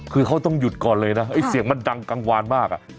คือเขาต้องหยุดก่อนเลยนะไอ้เสียงมันดังกังวานมากอ่ะ